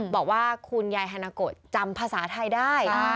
บอกว่าคุณยายฮานาโกะจำภาษาไทยได้